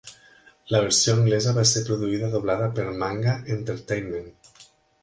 La versió anglesa va ser produïda i doblada per Manga Entertainment.